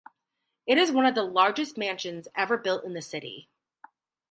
It is one of the largest mansions ever built in the city.